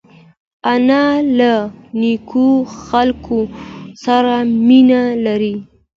انا له نیکو خلکو سره مینه لري